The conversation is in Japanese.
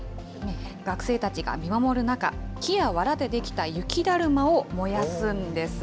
学生たちが見守る中、木やわらで出来た雪だるまを燃やすんです。